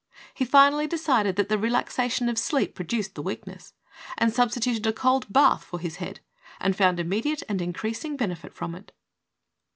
He finally decided that the relaxation of sleep produced the weakness, and substituted a cold bath for his head, and found immediate and in creasing benefit from it.